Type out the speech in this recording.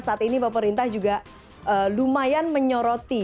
saat ini pak perintah juga lumayan menyoroti